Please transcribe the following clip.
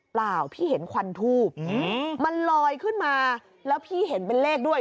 เปล่าพี่เห็นควันทูบมันลอยขึ้นมาแล้วพี่เห็นเป็นเลขด้วย